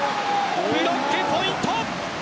ブロックポイント。